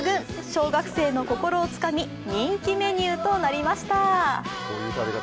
小学生の心をつかみ人気メニューとなりました。